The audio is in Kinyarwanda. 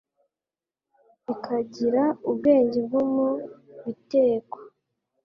Ikagira ubwenge bwo mu bitekwa